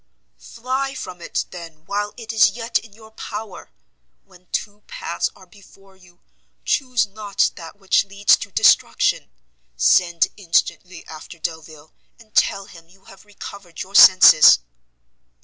"Fly from it, then, while it is yet in your power, when two paths are before you, chuse not that which leads to destruction; send instantly after Delvile, and tell him you have recovered your senses."